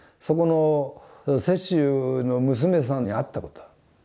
そこの施主の娘さんに会ったことある。